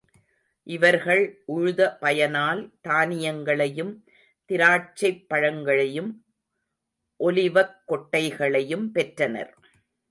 இவர்கள் உழுத பயனால் தானியங்களையும் திராட்சைப் பழங்களையும், ஒலிவக் கொட்டைகளையும் பெற்றனர்.